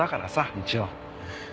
一応。